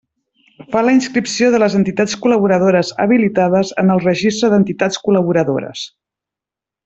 Fa la inscripció de les entitats col·laboradores habilitades en el Registre d'entitats col·laboradores.